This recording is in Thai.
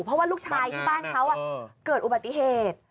เพราะว่าลูกชายที่บ้านเขาเกิดอุบัติเหตุ